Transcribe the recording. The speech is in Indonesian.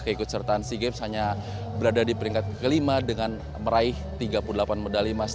keikutsertaan sea games hanya berada di peringkat kelima dengan meraih tiga puluh delapan medali emas